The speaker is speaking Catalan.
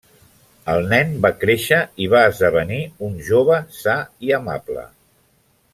El nen va créixer i va esdevenir un jove sa i amable.